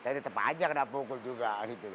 tadi tepat aja kena pukul juga